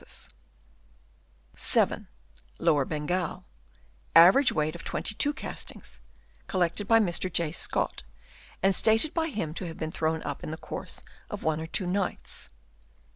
Lower Bengal. — Average weight of 22 castings, collected by Mr. J. Scott, and stated by him to have been thrown up in the course of one or two nights (8.)